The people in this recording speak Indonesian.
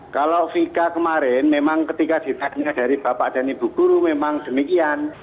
kalau vk kemarin memang ketika di tag nya dari bapak dan ibu guru memang demikian